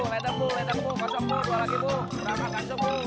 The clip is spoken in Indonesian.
berapa kosong bu